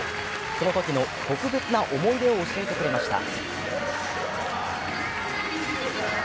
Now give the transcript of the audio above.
そのときの特別な思い出を教えてくれました。